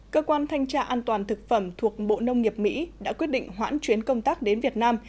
cơ quan thanh tra an toàn thực phẩm thuộc bộ nông nghiệp mỹ đã quyết định hoãn chuyến công tác đến việt nam